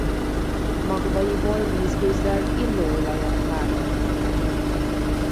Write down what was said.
Magvaiból vízgőzzel illóolajat párolnak le.